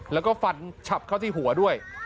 แล้วก็ฟันฉับเข้าที่หัวด้วย